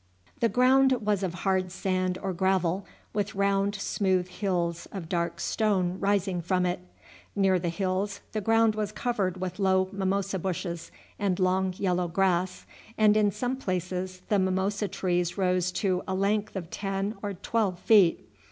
The ground was of hard sand or gravel, with round smooth hills of dark stone rising from it. Near the hills the ground was covered with low mimosa bushes and long yellow grass, and in some places the mimosa trees rose to a length of ten or twelve feet.